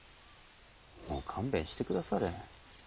もう勘弁してくだされ。